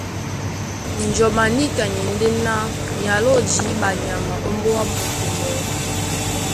Njɔm a níka ni e ndé ná ni aló jǐɓa nyama ómbóá moto mɔɔ́.